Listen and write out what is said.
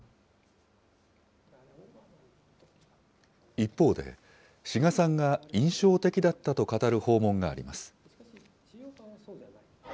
一方で、志賀さんが印象的だったと語る訪問があります。